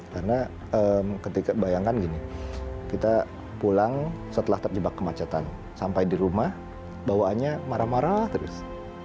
karena ketika bayangkan gini kita pulang setelah terjebak kemacetan sampai di rumah bawaannya marah marah terus